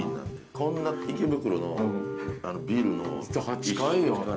こんな池袋のビルの一室から。